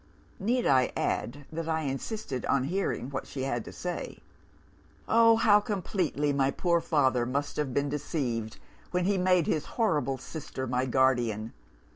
"Need I add that I insisted on hearing what she had to say? Oh, how completely my poor father must have been deceived, when he made his horrible sister my guardian!